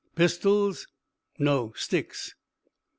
"Pistols?" "No. Sticks."